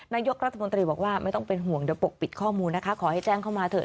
นายกรัฐมนตรีบอกว่าไม่ต้องเป็นห่วงเดี๋ยวปกปิดข้อมูลนะคะขอให้แจ้งเข้ามาเถอ